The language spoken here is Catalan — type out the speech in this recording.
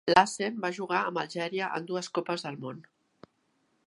Lacen va jugar amb Algèria en dues Copes del Món.